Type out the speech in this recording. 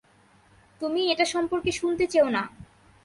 তুমি এটা সম্পর্কে শুনতে চেও না।